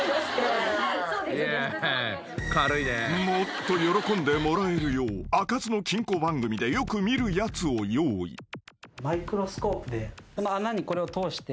［もっと喜んでもらえるよう開かずの金庫番組でよく見るやつを用意］